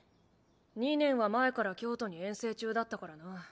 二年は前から京都に遠征中だったからな。